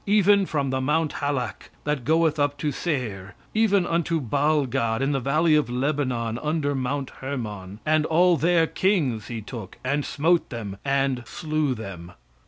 "Even from the mount Halak, that goeth up to Seir; even unto Baalgad in the valley of Lebanon under mount Hermon; and all their kings he took, and smote them, and slew them.